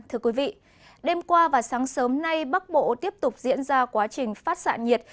thưa quý vị đêm qua và sáng sớm nay bắc bộ tiếp tục diễn ra quá trình phát xạ nhiệt